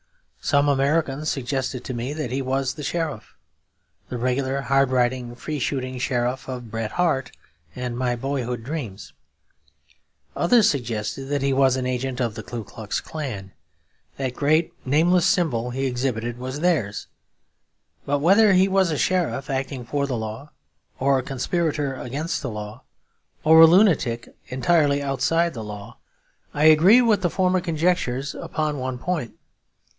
Some Americans suggested to me that he was the Sheriff; the regular hard riding, free shooting Sheriff of Bret Harte and my boyhood's dreams. Others suggested that he was an agent of the Ku Klux Klan, that great nameless revolution of the revival of which there were rumours at the time; and that the symbol he exhibited was theirs. But whether he was a sheriff acting for the law, or a conspirator against the law, or a lunatic entirely outside the law, I agree with the former conjectures upon one point.